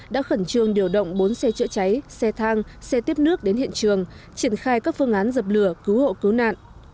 đã khẩn trương điều động bốn xe chữa cháy xe thang xe tiếp nước đến hiện trường triển khai các phương án dập lửa cứu hộ cứu nạn